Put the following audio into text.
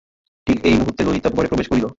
ঠিক এই মুহূর্তে ললিতা ঘরে প্রবেশ করিল।